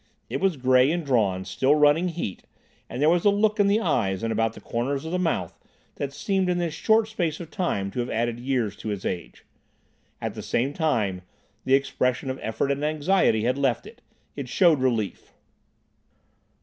It was grey and drawn, still running heat, and there was a look in the eyes and about the corners of the mouth that seemed in this short space of time to have added years to its age. At the same time, the expression of effort and anxiety had left it. It showed relief.